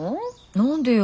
何でよ。